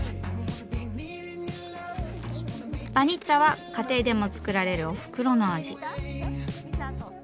バニッツァは家庭でも作られるおふくろの味。